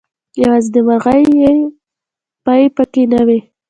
يوازې دمرغۍ پۍ پکې نه وې